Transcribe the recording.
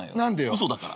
嘘だから。